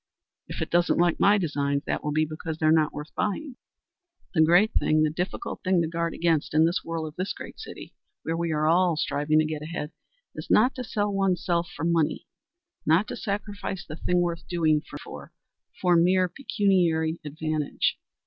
If it doesn't like my designs, that will be because they're not worth buying. The great thing the difficult thing to guard against in the whirl of this great city, where we are all striving to get ahead is not to sell one's self for money, not to sacrifice the thing worth doing for mere pecuniary advantage.